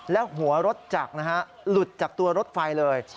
แล้วหัวรถจักรนะฮะหลุดจากตัวรถไฟเลย